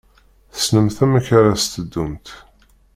Tessnemt amek ara s-teddumt.